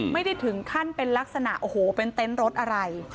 ไม่ได้ถึงขั้นเป็นลักษณะโอ้โหเป็นเต็นต์รถอะไร